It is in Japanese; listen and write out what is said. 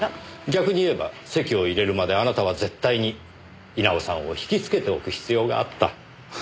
逆に言えば籍を入れるまであなたは絶対に稲尾さんを引きつけておく必要があった。